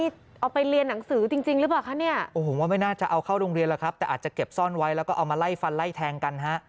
แต่อาจจะเก็บซ่อนไว้แล้วก็เอามาไล่ฟันไล่แทงกัน